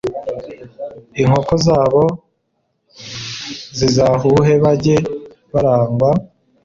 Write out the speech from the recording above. Inkoko zabo zizahuhe Bajye barangwa